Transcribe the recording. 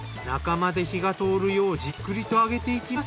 中まで火が通るようじっくりと揚げていきます。